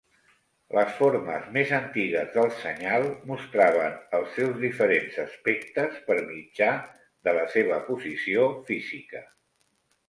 Les formes més antigues del senyal mostraven els seus diferents aspectes per mitjà de la seva posició física.